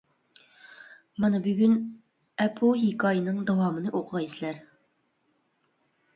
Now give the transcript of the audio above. مانا بۈگۈن ئەپۇ ھېكايىنىڭ داۋامىنى ئوقۇغايسىلەر.